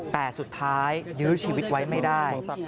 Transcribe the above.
แต่สุดท้ายยื้อชีวิตไว้ไม่ได้